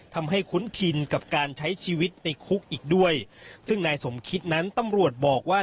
คุ้นชินกับการใช้ชีวิตในคุกอีกด้วยซึ่งนายสมคิดนั้นตำรวจบอกว่า